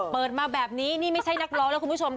เปิดมาแบบนี้นี่ไม่ใช่นักร้องแล้วคุณผู้ชมค่ะ